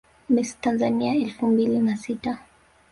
Miss Tanzania elfu mbili na sita